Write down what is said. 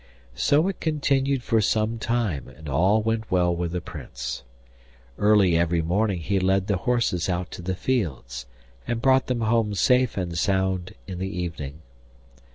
So it continued for some time, and all went well with the Prince. Early every morning he led the horses out to the fields, and brought them home safe and sound in the evening.